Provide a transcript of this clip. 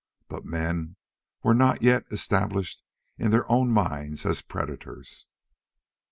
But men were not yet established in their own minds as predators.